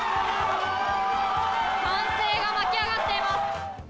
歓声が沸き上がっています。